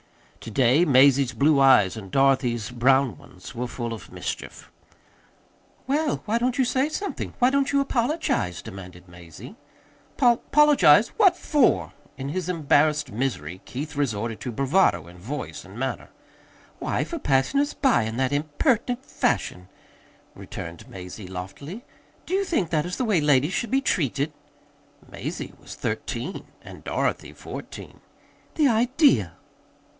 To day Mazie's blue eyes and Dorothy's brown ones were full of mischief. "Well, why don't you say something? Why don't you apologize?" demanded Mazie. '"Pol pologize? What for?" In his embarrassed misery Keith resorted to bravado in voice and manner. "Why, for passing us by in that impertinent fashion," returned Mazie loftily. "Do you think that is the way ladies should be treated?" (Mazie was thirteen and Dorothy fourteen.) "The idea!"